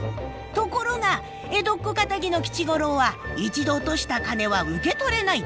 ところが江戸っ子かたぎの吉五郎は一度落とした金は受け取れないと拒否。